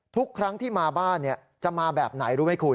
ทุกครั้งที่มาบ้านจะมาแบบไหนรู้ไหมคุณ